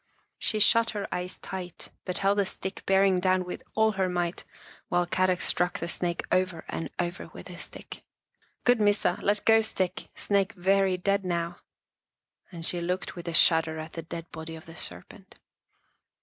She shut her eyes tight, but held the stick bearing down with all her might while Kadok struck the snake over and over with his stick. " Good Missa, let go stick, snake very dead now," and she looked with a shudder at the dead body of the serpent.